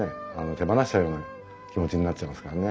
手放しちゃうような気持ちになっちゃいますからね。